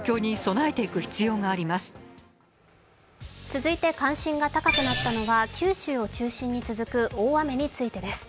続いて関心が高くなったのは九州を中心に続く大雨についてです。